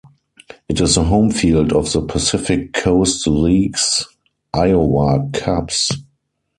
It is the home field of the Pacific Coast League's Iowa Cubs.